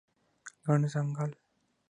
ګڼ ځنګل